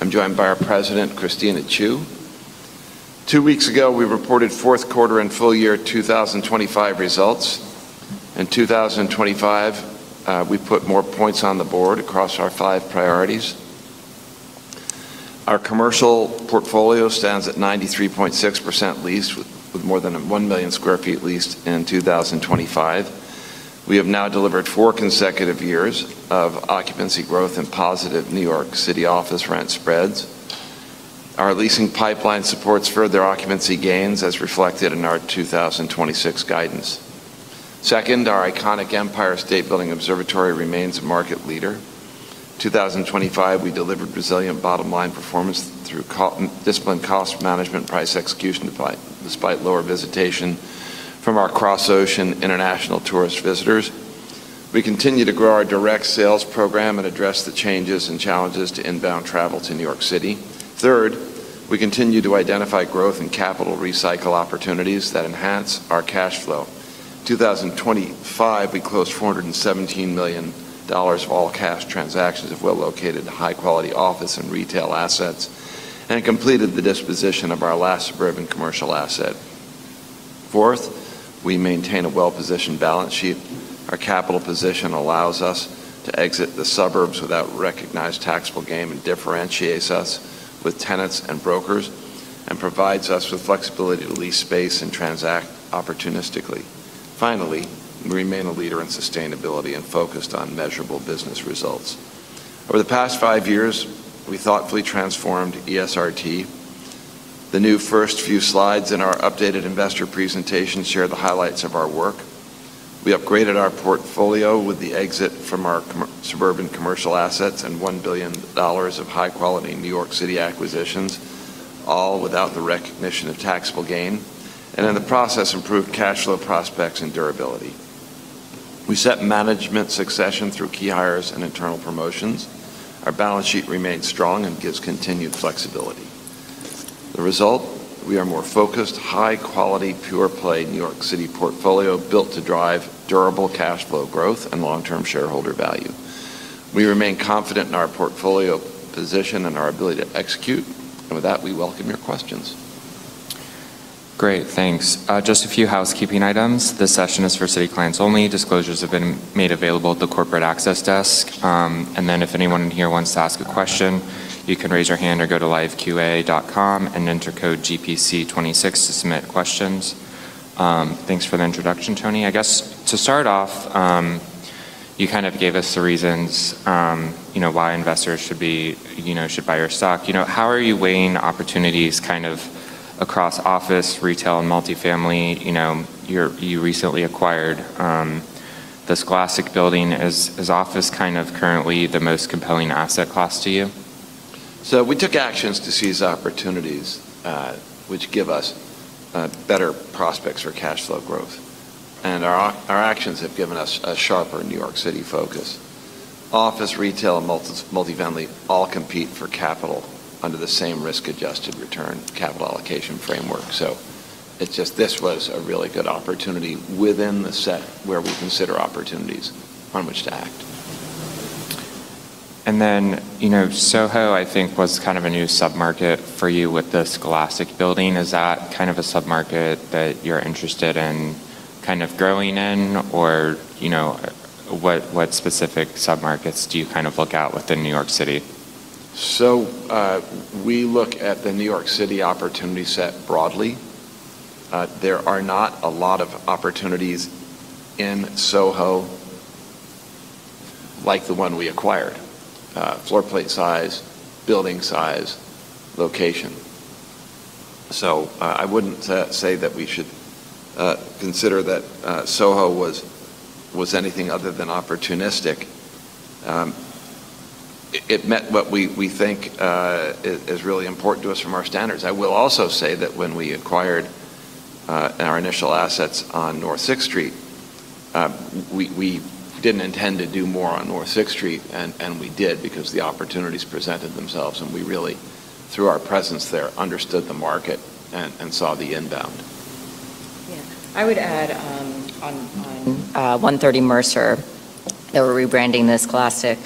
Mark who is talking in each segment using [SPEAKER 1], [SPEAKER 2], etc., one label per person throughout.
[SPEAKER 1] I'm joined by our President, Christina Chiu. Two weeks ago, we reported Q4 and full-year 2025 results. In 2025, we put more points on the board across our five priorities. Our commercial portfolio stands at 93.6% leased, with more than 1 million sq ft leased in 2025. We have now delivered four consecutive years of occupancy growth and positive New York City office rent spreads. Our leasing pipeline supports further occupancy gains as reflected in our 2026 guidance. Second, our iconic Empire State Building Observatory remains market leader. 2025, we delivered resilient bottom-line performance through disciplined cost management price execution despite lower visitation from our cross-ocean international tourist visitors. We continue to grow our direct sales program and address the changes and challenges to inbound travel to New York City. Third, we continue to identify growth and capital recycle opportunities that enhance our cash flow. 2025, we closed $417 million of all-cash transactions of well-located, high-quality office and retail assets and completed the disposition of our last suburban commercial asset. Fourth, we maintain a well-positioned balance sheet. Our capital position allows us to exit the suburbs without recognized taxable gain and differentiates us with tenants and brokers and provides us with flexibility to lease space and transact opportunistically. Finally, we remain a leader in sustainability and focused on measurable business results. Over the past five years, we thoughtfully transformed ESRT. The new first few slides in our updated investor presentation share the highlights of our work. We upgraded our portfolio with the exit from our suburban commercial assets and $1 billion of high-quality New York City acquisitions, all without the recognition of taxable gain, and in the process, improved cash flow prospects and durability. We set management succession through key hires and internal promotions. Our balance sheet remains strong and gives continued flexibility. The result, we are more focused, high-quality, pure-play New York City portfolio built to drive durable cash flow growth and long-term shareholder value. We remain confident in our portfolio position and our ability to execute. With that, we welcome your questions.
[SPEAKER 2] Great. Thanks. Just a few housekeeping items. This session is for Citi clients only. Disclosures have been made available at the corporate access desk. If anyone in here wants to ask a question, you can raise your hand or go to liveqa.com and enter code GPC26 to submit questions. Thanks for the introduction, Tony. I guess to start off, you kind of gave us the reasons, you know, why investors should be, you know, should buy your stock. You know, how are you weighing opportunities kind of across office, retail, and multifamily? You recently acquired the Scholastic Building. Is office kind of currently the most compelling asset class to you?
[SPEAKER 1] We took actions to seize opportunities, which give us better prospects for cash flow growth. Our actions have given us a sharper New York City focus. Office, retail, and multi-family all compete for capital under the same risk-adjusted return capital allocation framework. It's just this was a really good opportunity within the set where we consider opportunities on which to act.
[SPEAKER 2] Then, you know, SoHo, I think, was kind of a new submarket for you with the Scholastic Building. Is that kind of a submarket that you're interested in kind of growing in? Or, you know, what specific submarkets do you kind of look at within New York City?
[SPEAKER 1] We look at the New York City opportunity set broadly. There are not a lot of opportunities in SoHo like the one we acquired, floor plate size, building size, location. I wouldn't say that we should consider that SoHo was anything other than opportunistic. It met what we think is really important to us from our standards. I will also say that when we acquired our initial assets on North 6th Street, we didn't intend to do more on North 6th Street, and we did because the opportunities presented themselves, and we really, through our presence there, understood the market and saw the inbound.
[SPEAKER 3] Yeah. I would add, on 130 Mercer that we're rebranding the Scholastic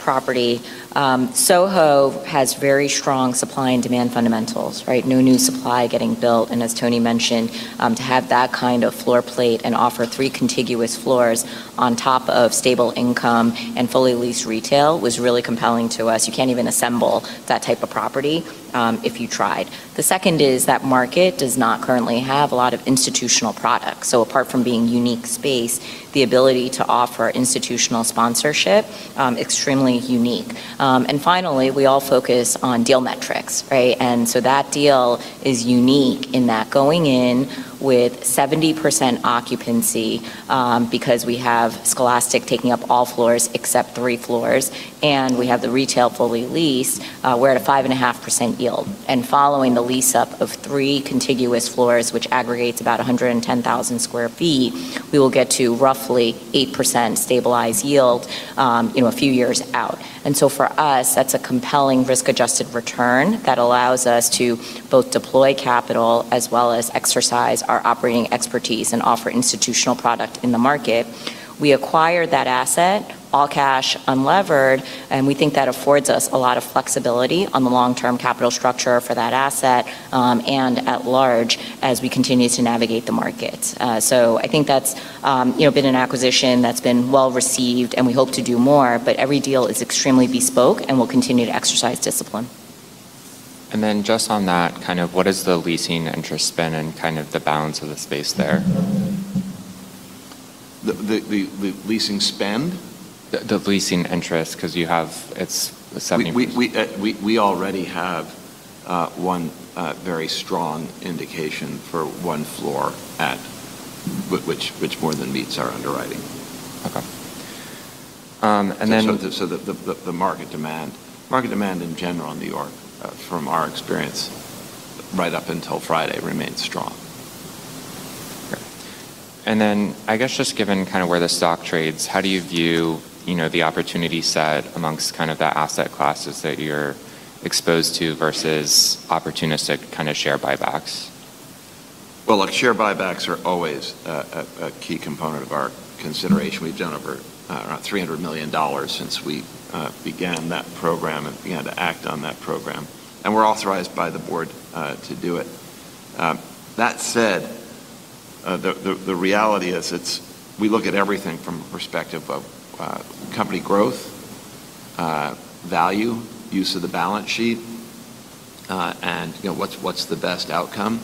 [SPEAKER 3] property. SoHo has very strong supply and demand fundamentals, right? No new supply getting built. As Tony mentioned, to have that kind of floor plate and offer three contiguous floors on top of stable income and fully leased retail was really compelling to us. You can't even assemble that type of property if you tried. The second is that market does not currently have a lot of institutional products. Apart from being unique space, the ability to offer institutional sponsorship, extremely unique. Finally, we all focus on deal metrics, right? That deal is unique in that going in with 70% occupancy, because we have Scholastic taking up all floors except three floors, and we have the retail fully leased, we're at a 5.5% yield. Following the lease-up of three contiguous floors, which aggregates about 110,000 sq ft, we will get to roughly 8% stabilized yield, you know, a few years out. For us, that's a compelling risk-adjusted return that allows us to both deploy capital as well as exercise our operating expertise and offer institutional product in the market. We acquired that asset all cash unlevered, and we think that affords us a lot of flexibility on the long-term capital structure for that asset, and at large as we continue to navigate the markets. I think that's, you know, been an acquisition that's been well received, and we hope to do more. Every deal is extremely bespoke, and we'll continue to exercise discipline.
[SPEAKER 2] Just on that, kind of what is the leasing interest been and kind of the balance of the space there?
[SPEAKER 1] The leasing spend?
[SPEAKER 2] The leasing interest, because you have, it's 70%.
[SPEAKER 1] We already have one very strong indication for one floor which more than meets our underwriting.
[SPEAKER 2] Okay.
[SPEAKER 1] The market demand in general in New York, from our experience right up until Friday remains strong.
[SPEAKER 2] Okay. I guess just given kinda where the stock trades, how do you view, you know, the opportunity set amongst kind of the asset classes that you're exposed to versus opportunistic kinda share buybacks?
[SPEAKER 1] Look, share buybacks are always a key component of our consideration. We've done over around $300 million since we began that program and began to act on that program, and we're authorized by the board to do it. That said, the reality is we look at everything from a perspective of company growth, value, use of the balance sheet, and, you know, what's the best outcome,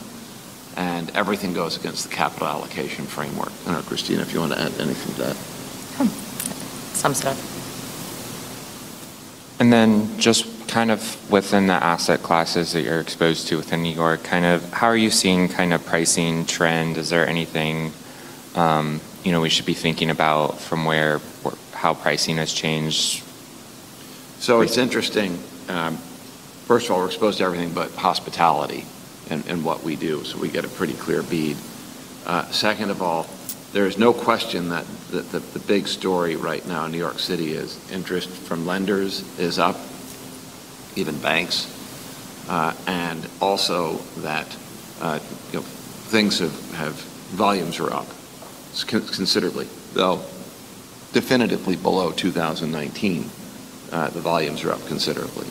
[SPEAKER 1] and everything goes against the capital allocation framework. I don't know, Christina, if you want to add anything to that.
[SPEAKER 3] No. Sums it up.
[SPEAKER 2] Just kind of within the asset classes that you're exposed to within New York, kind of how are you seeing kind of pricing trend? Is there anything, you know, we should be thinking about from where or how pricing has changed?
[SPEAKER 1] It's interesting. First of all, we're exposed to everything but hospitality in what we do, we get a pretty clear bead. Second of all, there is no question that the big story right now in New York City is interest from lenders is up, even banks, and also that, you know, things have Volumes are up considerably. Though definitively below 2019, the volumes are up considerably.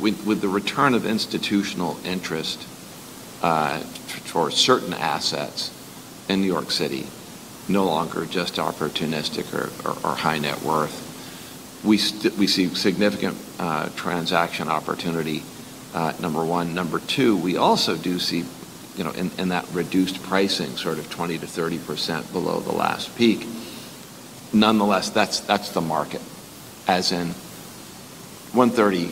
[SPEAKER 1] With the return of institutional interest towards certain assets in New York City, no longer just opportunistic or high net worth, we see significant transaction opportunity, number one. Number two, we also do see, you know, in that reduced pricing sort of 20%-30% below the last peak. Nonetheless, that's the market. As in 130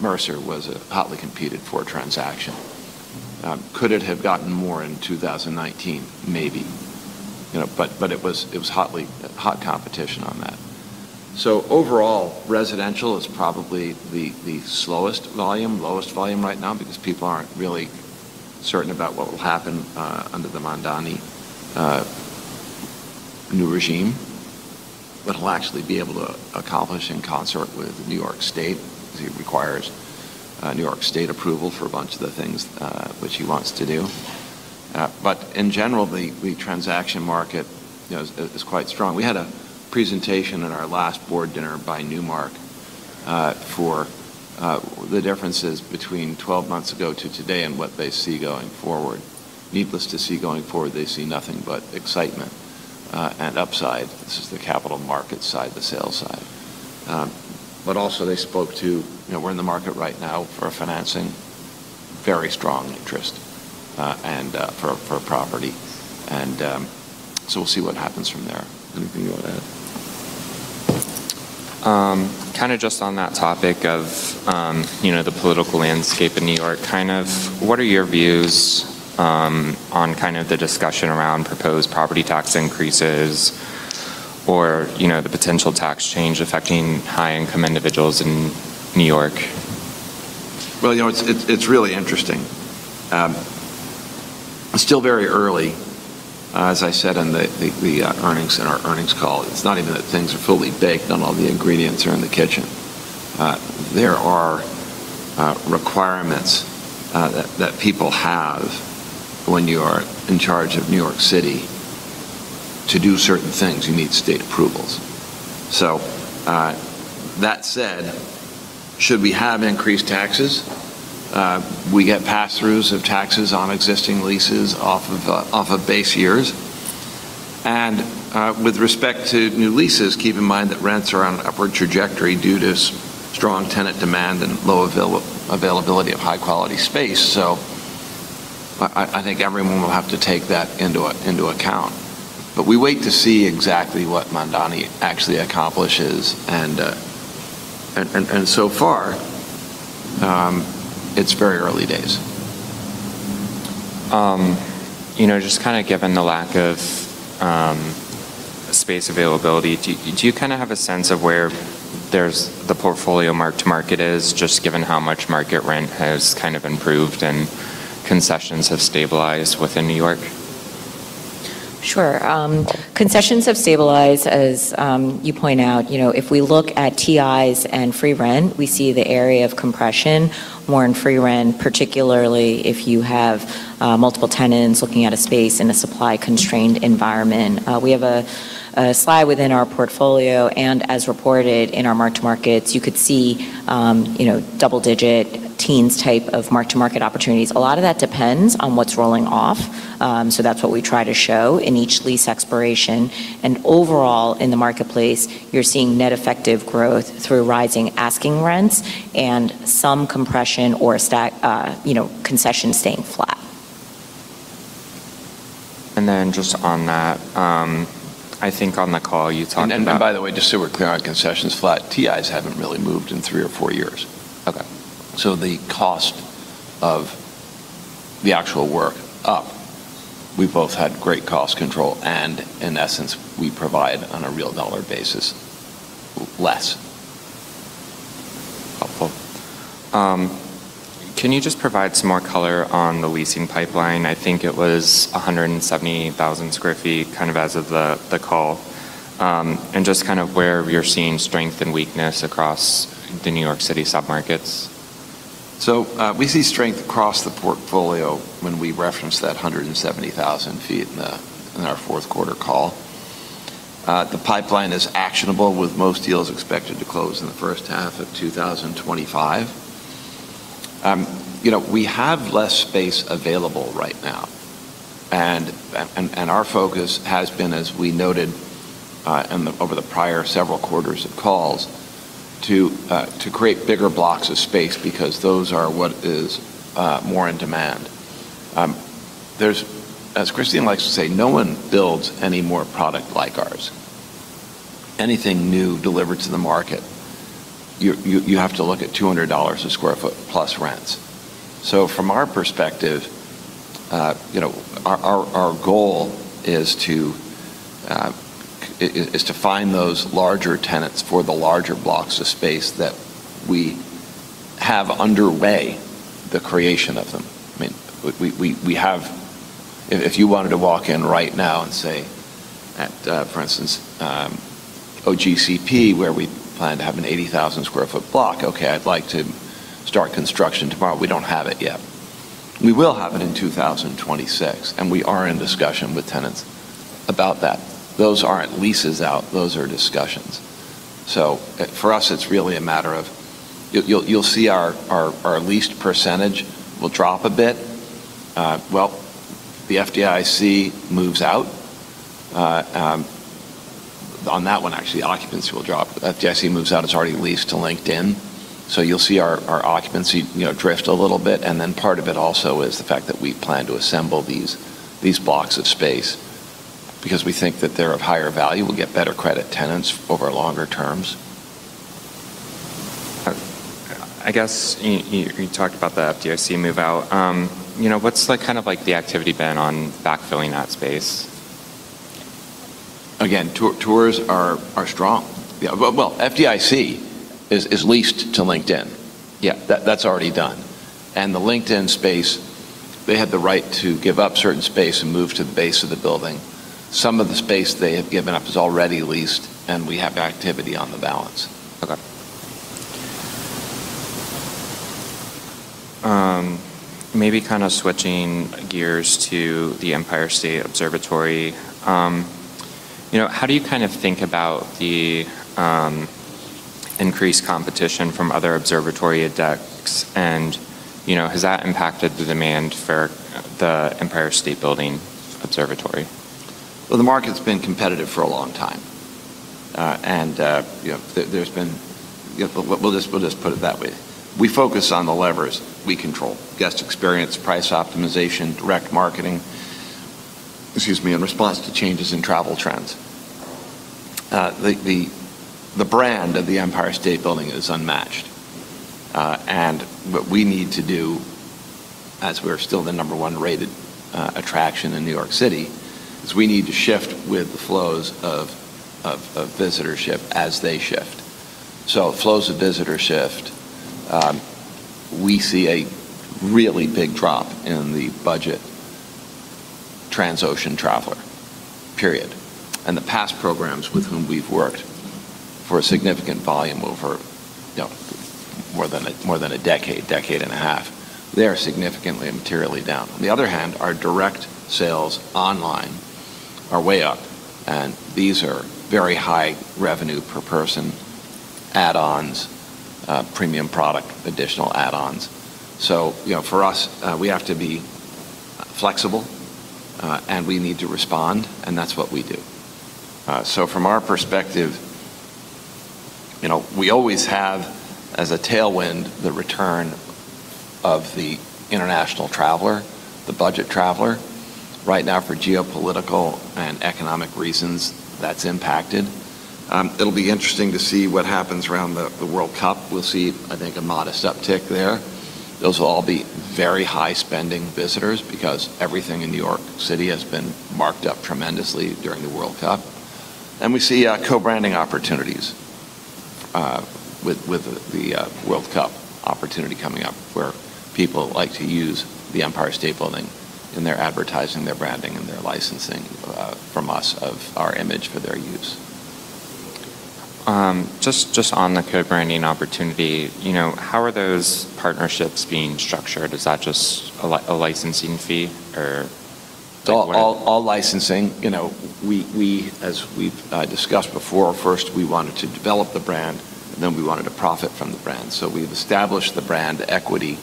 [SPEAKER 1] Mercer was a hotly competed for transaction. Could it have gotten more in 2019? Maybe. You know, but it was hot competition on that. Overall, residential is probably the slowest volume, lowest volume right now because people aren't really certain about what will happen under the Mamdani new regime. What he'll actually be able to accomplish in concert with New York State, because he requires New York State approval for a bunch of the things which he wants to do. In general, the transaction market, you know, is quite strong. We had a presentation in our last board dinner by Newmark for the differences between 12 months ago to today and what they see going forward. Needless to see going forward, they see nothing but excitement and upside. This is the capital markets side, the sales side. Also they spoke to, you know, we're in the market right now for financing, very strong interest and for property. We'll see what happens from there. Anything you wanna add?
[SPEAKER 2] Kind of just on that topic of, you know, the political landscape in New York, kind of what are your views, on kind of the discussion around proposed property tax increases or, you know, the potential tax change affecting high income individuals in New York?
[SPEAKER 1] Well, you know, it's really interesting. It's still very early. As I said in the earnings, in our earnings call, it's not even that things are fully baked on all the ingredients are in the kitchen. There are requirements that people have when you are in charge of New York City to do certain things. You need state approvals. That said, should we have increased taxes, we get pass-throughs of taxes on existing leases off of base years. With respect to new leases, keep in mind that rents are on an upward trajectory due to strong tenant demand and low availability of high-quality space. I think everyone will have to take that into account. We wait to see exactly what Mamdani actually accomplishes and so far, it's very early days.
[SPEAKER 2] You know, just kinda given the lack of space availability, do you kinda have a sense of where there's the portfolio mark-to-market is, just given how much market rent has kind of improved and concessions have stabilized within New York?
[SPEAKER 3] Sure. Concessions have stabilized, as you point out. You know, if we look at TIs and free rent, we see the area of compression more in free rent, particularly if you have multiple tenants looking at a space in a supply-constrained environment. We have a slide within our portfolio, and as reported in our mark-to-market, you could see, you know, double-digit, teens type of mark-to-market opportunities. A lot of that depends on what's rolling off, so that's what we try to show in each lease expiration. Overall in the marketplace, you're seeing net effective growth through rising asking rents and some compression or, you know, concessions staying flat.
[SPEAKER 2] Just on that, I think on the call you talked about.
[SPEAKER 1] By the way, just so we're clear on concessions flat, TIs haven't really moved in three or four years.
[SPEAKER 2] Okay.
[SPEAKER 1] The cost of the actual work up, we both had great cost control and in essence, we provide on a real dollar basis less.
[SPEAKER 2] Helpful. Can you just provide some more color on the leasing pipeline? I think it was 170,000 sq ft, kind of as of the call. Just kind of where you're seeing strength and weakness across the New York City submarkets.
[SPEAKER 1] We see strength across the portfolio when we reference that 170,000 feet in the, in our Q4 call. The pipeline is actionable with most deals expected to close in the first half of 2025. You know, we have less space available right now, and our focus has been, as we noted, over the prior several quarters of calls to create bigger blocks of space because those are what is more in demand. As Christine likes to say, no one builds any more product like ours. Anything new delivered to the market, you have to look at $200 a sq ft plus rents. From our perspective, you know, our goal is to find those larger tenants for the larger blocks of space that we have underway the creation of them. I mean, we have If you wanted to walk in right now and say at, for instance, OGCP, where we plan to have an 80,000 sq ft block, okay, I'd like to start construction tomorrow. We don't have it yet. We will have it in 2026, and we are in discussion with tenants about that. Those aren't leases out, those are discussions. For us, it's really a matter of you'll see our leased percentage will drop a bit. Well, the FDIC moves out. On that one, actually, occupancy will drop. FDIC moves out, it's already leased to LinkedIn. You'll see our occupancy, you know, drift a little bit. Part of it also is the fact that we plan to assemble these blocks of space because we think that they're of higher value. We'll get better credit tenants over longer terms.
[SPEAKER 2] I guess you talked about the FDIC move out. You know, what's like, kind of like the activity been on backfilling that space?
[SPEAKER 1] Again, tours are strong. Yeah. Well, FDIC is leased to LinkedIn. Yeah. That's already done. The LinkedIn space, they had the right to give up certain space and move to the base of the building. Some of the space they have given up is already leased, and we have activity on the balance.
[SPEAKER 2] Okay. Maybe kind of switching gears to the Empire State Observatory, you know, how do you kind of think about the increased competition from other observatory decks and, you know, has that impacted the demand for the Empire State Building Observatory?
[SPEAKER 1] Well, the market's been competitive for a long time. You know, we'll just put it that way. We focus on the levers we control, guest experience, price optimization, direct marketing, excuse me, in response to changes in travel trends. The brand of the Empire State Building is unmatched. What we need to do, as we're still the number one rated attraction in New York City, is we need to shift with the flows of visitorship as they shift. Flows of visitor shift, we see a really big drop in the budget transocean traveler, period. The past programs with whom we've worked for a significant volume over, you know, more than a decade and a half, they are significantly and materially down. On the other hand, our direct sales online are way up, and these are very high revenue per person add-ons, premium product, additional add-ons. You know, for us, we have to be flexible, and we need to respond, and that's what we do. From our perspective, you know, we always have as a tailwind the return of the international traveler, the budget traveler. Right now, for geopolitical and economic reasons, that's impacted. It'll be interesting to see what happens around the World Cup. We'll see, I think, a modest uptick there. Those will all be very high spending visitors because everything in New York City has been marked up tremendously during the World Cup. We see co-branding opportunities with the World Cup opportunity coming up where people like to use the Empire State Building in their advertising, their branding, and their licensing from us of our image for their use.
[SPEAKER 2] just on the co-branding opportunity, you know, how are those partnerships being structured? Is that just a licensing fee or like what-?
[SPEAKER 1] All licensing. You know, we, as we've discussed before, first we wanted to develop the brand, and then we wanted to profit from the brand. We've established the brand equity,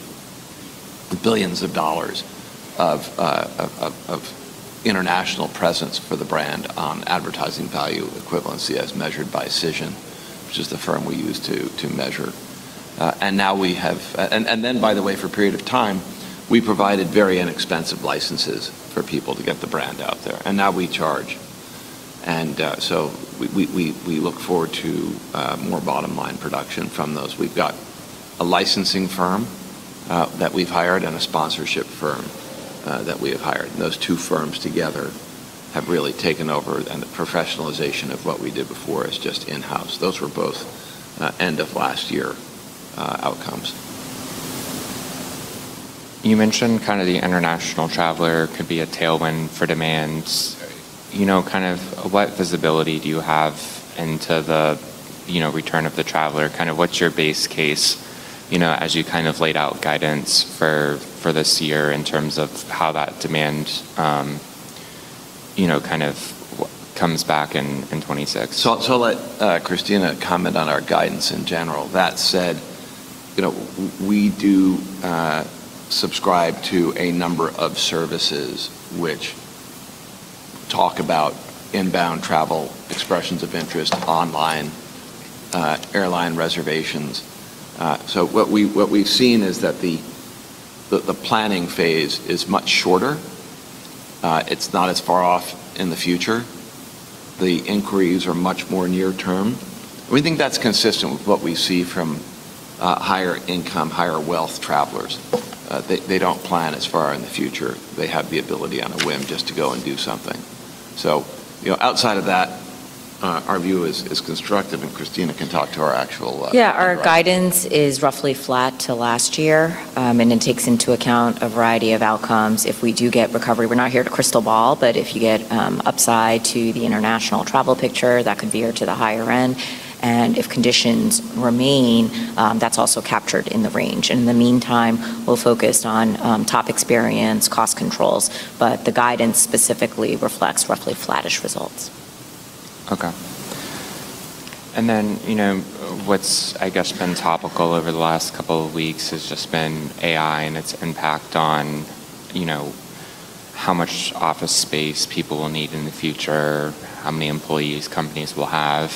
[SPEAKER 1] the billions of dollars of international presence for the brand on Advertising Value Equivalency as measured by Cision, which is the firm we use to measure. Now we have, by the way, for a period of time, we provided very inexpensive licenses for people to get the brand out there. Now we charge. We look forward to more bottom-line production from those. We've got a licensing firm that we've hired and a sponsorship firm that we have hired. Those two firms together have really taken over, and the professionalization of what we did before is just in-house. Those were both end-of-last-year outcomes.
[SPEAKER 2] You mentioned kind of the international traveler could be a tailwind for demands. You know, kind of what visibility do you have into the, you know, return of the traveler? Kind of what's your base case, you know, as you kind of laid out guidance for this year in terms of how that demand, you know, kind of comes back in 2026?
[SPEAKER 1] I'll let Christina comment on our guidance in general. That said, you know, we do subscribe to a number of services which talk about inbound travel, expressions of interest, online airline reservations. What we've seen is that the planning phase is much shorter. It's not as far off in the future. The inquiries are much more near-term. We think that's consistent with what we see from higher-income, higher-wealth travelers. They don't plan as far in the future. They have the ability on a whim just to go and do something. You know, outside of that, our view is constructive, and Christina can talk to our actual guidance.
[SPEAKER 3] Yeah, our guidance is roughly flat to last year, and it takes into account a variety of outcomes. If we do get recovery, we're not here to crystal ball, but if you get upside to the international travel picture, that could veer to the higher end. If conditions remain, that's also captured in the range. In the meantime, we're focused on top experience, cost controls, but the guidance specifically reflects roughly flattish results.
[SPEAKER 2] Okay. Then, you know, what's, I guess, been topical over the last couple of weeks has just been AI and its impact on, you know, how much office space people will need in the future, how many employees companies will have.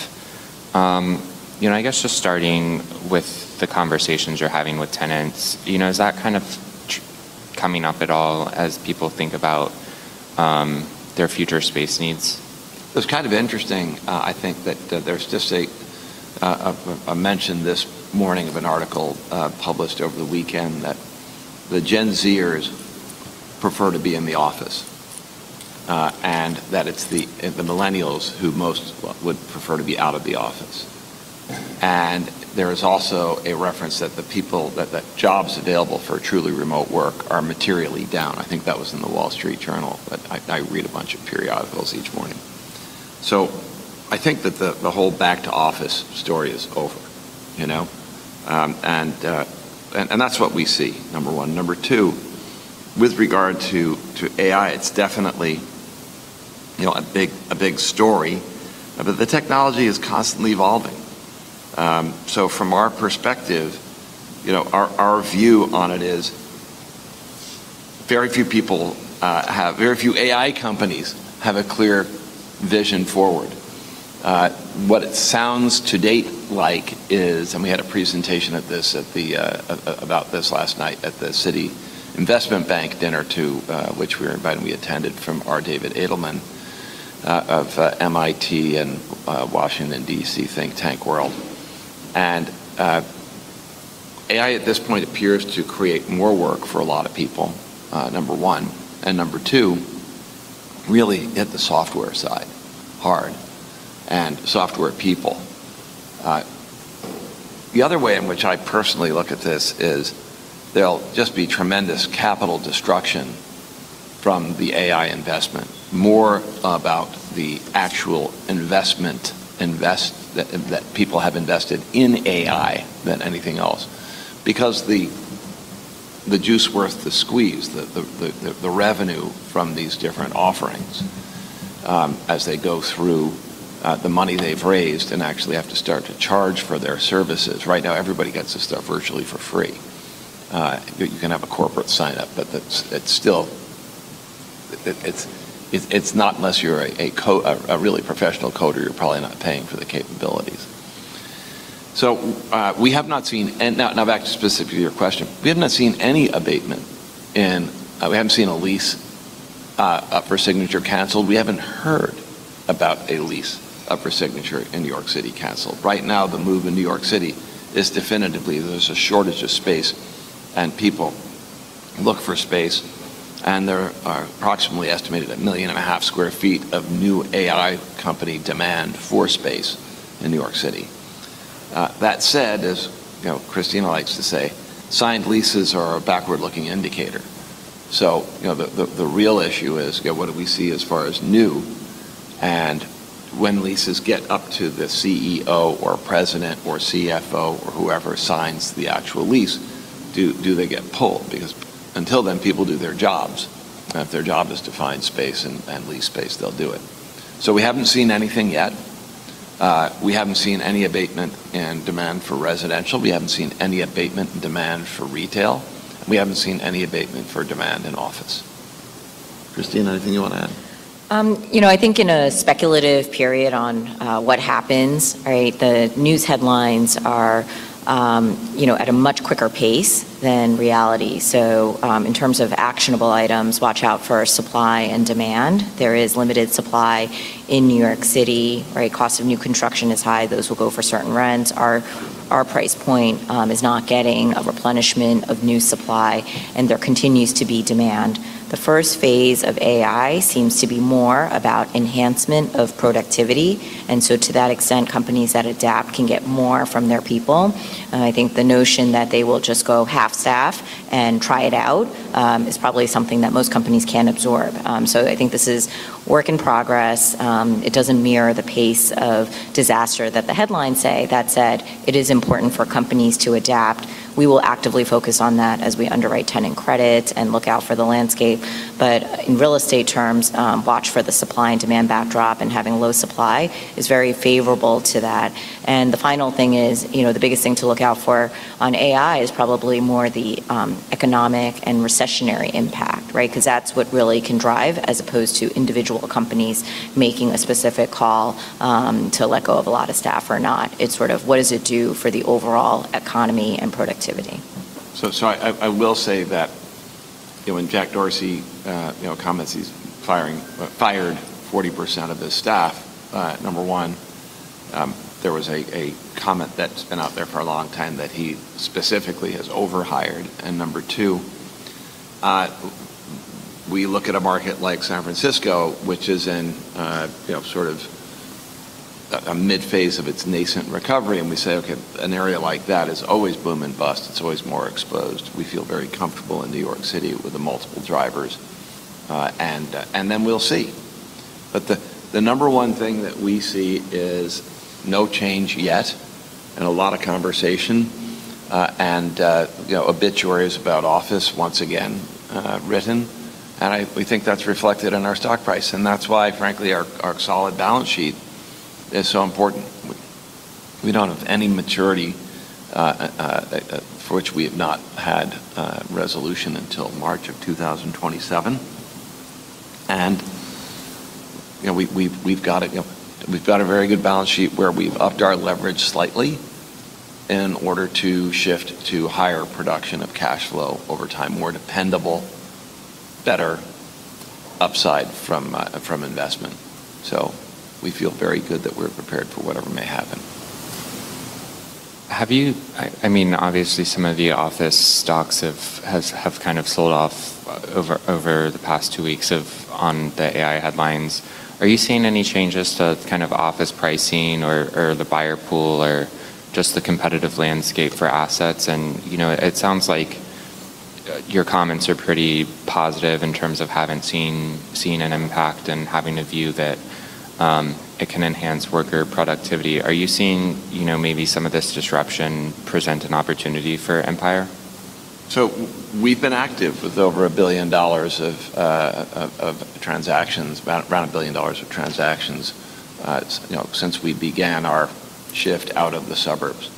[SPEAKER 2] You know, I guess just starting with the conversations you're having with tenants, you know, is that kind of coming up at all as people think about their future space needs?
[SPEAKER 1] It's kind of interesting, I think, that there's just a mention this morning of an article published over the weekend that the Gen Zers prefer to be in the office and that it's the millennials who most would prefer to be out of the office. There is also a reference that jobs available for truly remote work are materially down. I think that was in The Wall Street Journal, but I read a bunch of periodicals each morning. I think that the whole back-to-office story is over, you know, and that's what we see, number one. Number two, with regard to AI, it's definitely, you know, a big story, but the technology is constantly evolving. From our perspective, you know, our view on it is very few AI companies have a clear vision forward. What it sounds to date like is, and we had a presentation about this last night at the Citi Investment Bank dinner too, which we were invited and we attended from R. David Edelman of MIT and Washington, D.C. think tank world. AI at this point appears to create more work for a lot of people, number one. Number two, really hit the software side hard and software people. The other way in which I personally look at this is there'll just be tremendous capital destruction from the AI investment, more about the actual investment that people have invested in AI than anything else. The juice worth the squeeze, the revenue from these different offerings as they go through the money they've raised and actually have to start to charge for their services. Right now, everybody gets this stuff virtually for free. You can have a corporate sign up, but it's still, it's not unless you're a really professional coder, you're probably not paying for the capabilities. We have not seen, and now back to specifically your question, we have not seen any abatement in, we haven't seen a lease for signature canceled. We haven't heard about a lease for signature in New York City canceled. Right now, the move in New York City is definitively there's a shortage of space and people look for space. There are approximately estimated 1.5 million sq ft of new AI company demand for space in New York City. That said, as Christina Chiu likes to say, signed leases are a backward-looking indicator. The real issue is what do we see as far as new? When leases get up to the CEO or president or CFO or whoever signs the actual lease, do they get pulled? Until then, people do their jobs. If their job is to find space and lease space, they'll do it. We haven't seen anything yet. We haven't seen any abatement in demand for residential. We haven't seen any abatement in demand for retail. We haven't seen any abatement for demand in office. Christina, anything you want to add?
[SPEAKER 3] You know, I think in a speculative period on what happens, right, the news headlines are, you know, at a much quicker pace than reality. In terms of actionable items, watch out for supply and demand. There is limited supply in New York City, right? Cost of new construction is high. Those will go for certain rents. Our price point is not getting a replenishment of new supply, and there continues to be demand. The first phase of AI seems to be more about enhancement of productivity. To that extent, companies that adapt can get more from their people. I think the notion that they will just go half-staff and try it out is probably something that most companies can't absorb. I think this is work in progress. It doesn't mirror the pace of disaster that the headlines say. That said, it is important for companies to adapt. We will actively focus on that as we underwrite tenant credits and look out for the landscape. In real estate terms, watch for the supply and demand backdrop, and having low supply is very favorable to that. The final thing is, you know, the biggest thing to look out for on AI is probably more the economic and recessionary impact, right? Because that's what really can drive as opposed to individual companies making a specific call, to let go of a lot of staff or not. It's sort of what does it do for the overall economy and productivity.
[SPEAKER 1] I will say that, you know, when Jack Dorsey, you know, comments he fired 40% of his staff, number one, there was a comment that's been out there for a long time that he specifically has overhired. Number two, we look at a market like San Francisco, which is in, you know, sort of a mid-phase of its nascent recovery, and we say, "Okay, an area like that is always boom and bust. It's always more exposed." We feel very comfortable in New York City with the multiple drivers, and then we'll see. The number one thing that we see is no change yet and a lot of conversation, and, you know, obituaries about office once again, written. We think that's reflected in our stock price, and that's why, frankly, our solid balance sheet is so important. We don't have any maturity for which we have not had resolution until March of 2027. You know, we've got a, you know, very good balance sheet where we've upped our leverage slightly in order to shift to higher production of cash flow over time, more dependable, better upside from investment. We feel very good that we're prepared for whatever may happen.
[SPEAKER 2] I mean, obviously some of the office stocks have kind of sold off over the past two weeks on the AI headlines. Are you seeing any changes to kind of office pricing or the buyer pool or just the competitive landscape for assets? You know, it sounds like your comments are pretty positive in terms of having seen an impact and having a view that it can enhance worker productivity. Are you seeing, you know, maybe some of this disruption present an opportunity for Empire?
[SPEAKER 1] We've been active with over $1 billion of transactions, around $1 billion of transactions, you know, since we began our shift out of the suburbs.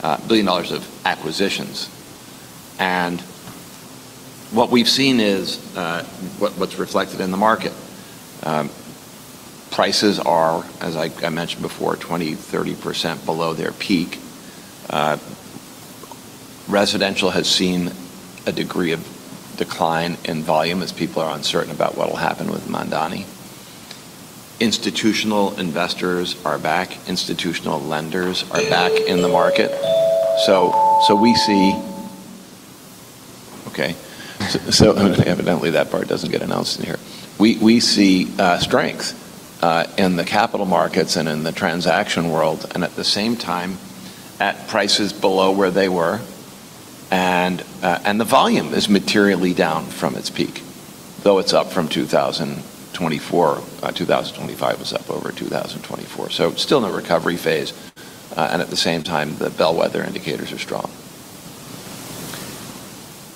[SPEAKER 1] $1 billion of acquisitions. What we've seen is what's reflected in the market. Prices are, as I mentioned before, 20%-30% below their peak. Residential has seen a degree of decline in volume as people are uncertain about what will happen with Mamdani. Institutional investors are back. Institutional lenders are back in the market. We see strength in the capital markets and in the transaction world, and at the same time, at prices below where they were. The volume is materially down from its peak, though it's up from 2024. 2025 was up over 2024. Still in a recovery phase, and at the same time, the bellwether indicators are strong.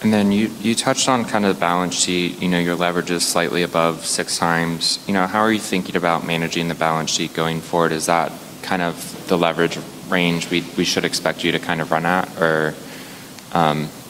[SPEAKER 2] You touched on kind of the balance sheet. You know, your leverage is slightly above 6 times. You know, how are you thinking about managing the balance sheet going forward? Is that kind of the leverage range we should expect you to kind of run at? Or,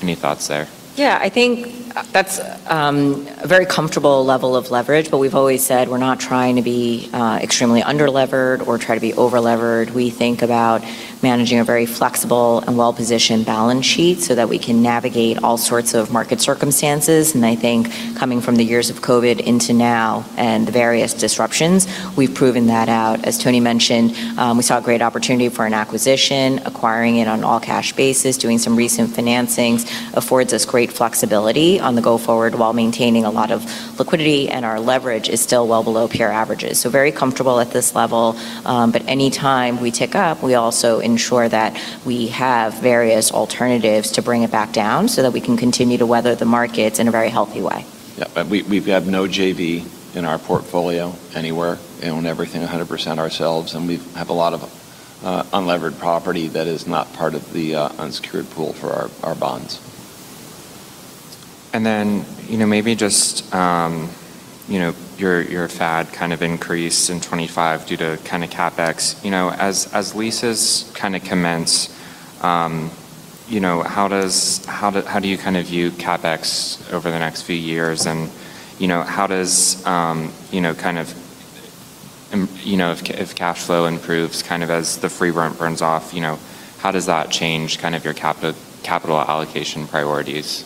[SPEAKER 2] any thoughts there?
[SPEAKER 3] I think that's a very comfortable level of leverage. We've always said we're not trying to be extremely under-levered or try to be over-levered. We think about managing a very flexible and well-positioned balance sheet so that we can navigate all sorts of market circumstances. I think coming from the years of COVID into now and the various disruptions, we've proven that out. As Tony mentioned, we saw a great opportunity for an acquisition. Acquiring it on an all-cash basis, doing some recent financings affords us great flexibility on the go-forward while maintaining a lot of liquidity. Our leverage is still well below peer averages. Very comfortable at this level. Any time we tick up, we also ensure that we have various alternatives to bring it back down so that we can continue to weather the markets in a very healthy way.
[SPEAKER 1] Yeah. We, we have no JV in our portfolio anywhere. Own everything 100% ourselves, and we have a lot of unlevered property that is not part of the unsecured pool for our bonds.
[SPEAKER 2] You know, maybe just, you know, your FAD kind of increase in 25 due to kind of CapEx. You know, as leases kind of commence. You know, how do you kind of view CapEx over the next few years? You know, how does, you know, kind of, you know, if cash flow improves kind of as the free rent burns off, you know, how does that change kind of your capital allocation priorities?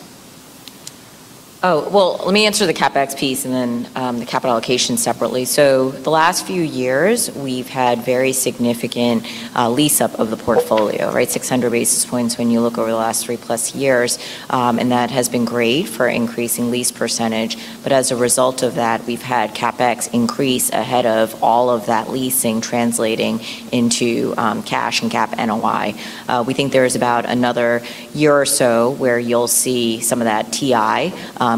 [SPEAKER 3] Let me answer the CapEx piece and then the capital allocation separately. The last few years, we've had very significant lease up of the portfolio, right? 600 basis points when you look over the last 3+ years, and that has been great for increasing lease percentage. As a result of that, we've had CapEx increase ahead of all of that leasing translating into cash and cap NOI. We think there is about another year or so where you'll see some of that TI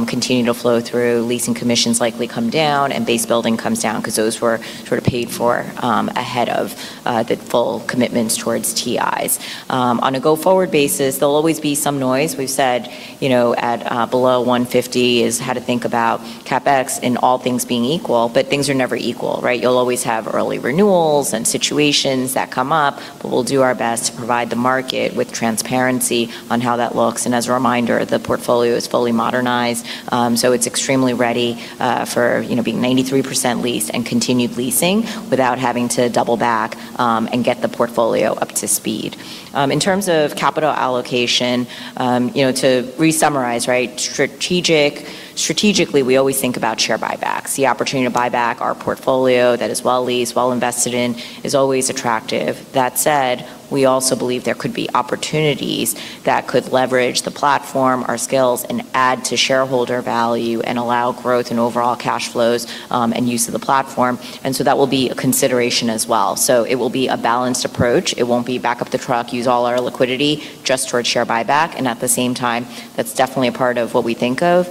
[SPEAKER 3] continue to flow through, leasing commissions likely come down, and base building comes down because those were sort of paid for ahead of the full commitments towards TIs. On a go-forward basis, there'll always be some noise. We've said, you know, at, below 150 is how to think about CapEx and all things being equal. Things are never equal, right? You'll always have early renewals and situations that come up, but we'll do our best to provide the market with transparency on how that looks. As a reminder, the portfolio is fully modernized, so it's extremely ready, for, you know, being 93% leased and continued leasing without having to double back, and get the portfolio up to speed. In terms of capital allocation, you know, to re-summarize, right, strategically, we always think about share buybacks. The opportunity to buy back our portfolio that is well leased, well invested in, is always attractive. That said, we also believe there could be opportunities that could leverage the platform, our skills, and add to shareholder value and allow growth in overall cash flows, and use of the platform. That will be a consideration as well. It will be a balanced approach. It won't be back up the truck, use all our liquidity just towards share buyback. That's definitely a part of what we think of,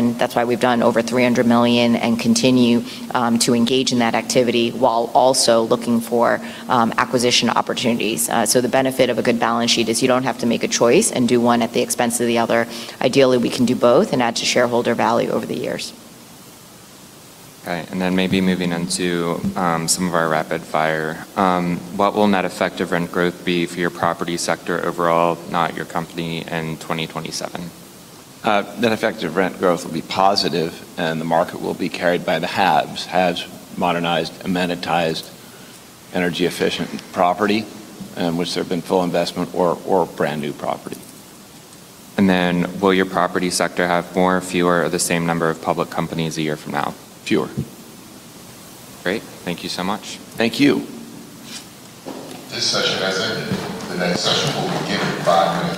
[SPEAKER 3] and that's why we've done over $300 million and continue to engage in that activity while also looking for acquisition opportunities. The benefit of a good balance sheet is you don't have to make a choice and do one at the expense of the other. Ideally, we can do both and add to shareholder value over the years.
[SPEAKER 2] All right. Maybe moving into some of our rapid fire. What will net effective rent growth be for your property sector overall, not your company, in 2027?
[SPEAKER 1] Net effective rent growth will be positive, and the market will be carried by the haves. Haves modernized, amenitized, energy-efficient property, which there have been full investment or brand-new property.
[SPEAKER 2] Will your property sector have more, fewer, or the same number of public companies a year from now?
[SPEAKER 1] Fewer.
[SPEAKER 2] Great. Thank you so much.
[SPEAKER 1] Thank you.
[SPEAKER 4] This session has ended. The next session will begin in five minutes.